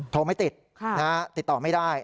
ไม่ติดติดต่อไม่ได้